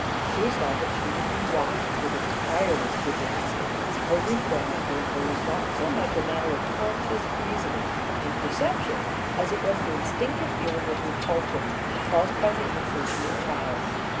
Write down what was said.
She saw that she would be watched with a tireless vigilance. Her recoil, however, was not so much a matter of conscious reasoning and perception as it was an instinctive feeling of repulsion caused by the unfortunate child.